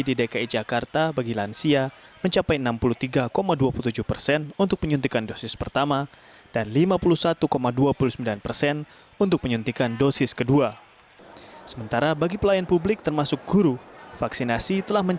dinas kesehatan provinsi